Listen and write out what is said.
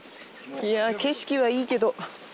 いやあ景色はいいけど。